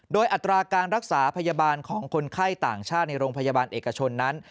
โดยอัตราการรักษาพยาบาลของคนไข้ต่างชาติในโรงพยาบาลเอกชนนั้น